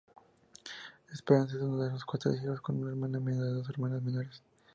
Esperanza es una de cuatro hijos, con una hermana menor y dos hermanos menores.